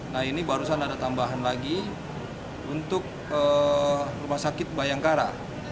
nah ini barusan ada tambahan lagi untuk rumah sakit bayangkara